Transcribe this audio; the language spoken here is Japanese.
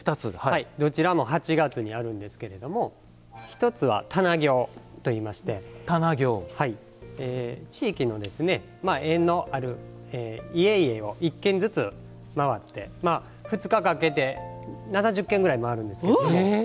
どちらも８月にあるんですけれども一つは棚経といいまして地域の縁のある家々を１軒ずつ回って２日かけて７０軒ぐらい回るんですけどね。